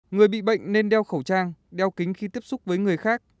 người bị bệnh nên đeo khẩu trang đeo kính khi tiếp xúc với người khác